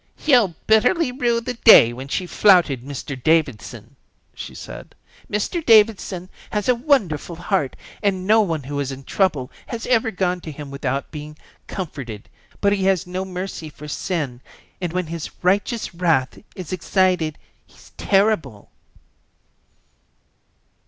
"She'll bitterly rue the day when she flouted Mr Davidson," she said. "Mr Davidson has a wonderful heart and no one who is in trouble has ever gone to him without being comforted, but he has no mercy for sin, and when his righteous wrath is excited he's terrible."